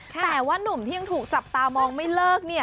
แต่ว่านุ่มที่ยังถูกจับตามองไม่เลิกเนี่ย